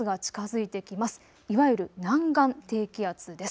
いわゆる南岸低気圧です。